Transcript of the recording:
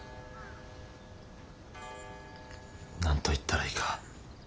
何と言ったらいいか。